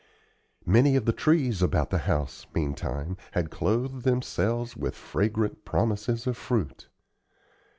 Many of the trees about the house, meantime, had clothed themselves with fragrant promises of fruit.